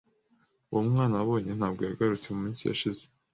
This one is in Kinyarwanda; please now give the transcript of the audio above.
Uwo mwana wabonye, ntabwo yagarutse mu minsi yashize."